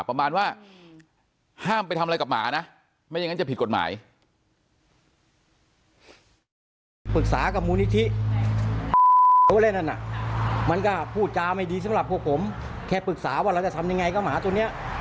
ประมาณว่าห้ามไปทำอะไรกับหมานะไม่อย่างนั้นจะผิดกฎหมาย